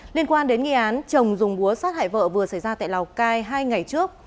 liên quan đến nghi án chồng dùng búa sát hại vợ vừa xảy ra tại lào cai hai ngày trước